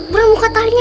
burung muka talinya